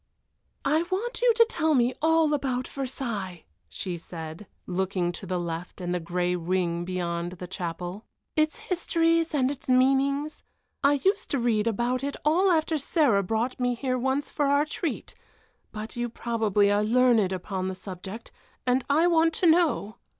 "I want you to tell me all about Versailles," she said, looking to the left and the gray wing beyond the chapel. "Its histories and its meanings. I used to read about it all after Sarah brought me here once for our treat, but you probably are learned upon the subject, and I want to know."